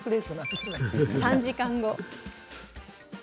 ３時間後。